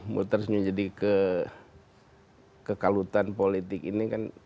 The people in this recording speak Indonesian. muters menjadi kekalutan politik ini kan